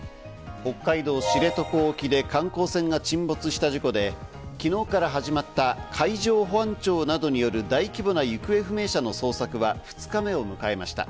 北海道知床沖で観光船が沈没した事故で昨日から始まった海上保安庁などによる大規模な行方不明者の捜索は、２日目を迎えました。